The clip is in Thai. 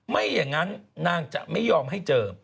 ไม่อย่างนั้นนางจะไม่ยอมให้เจอ